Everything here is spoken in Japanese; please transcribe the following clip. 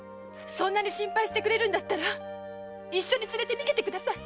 そんなに心配してくれるんだったら一緒に連れて逃げてください！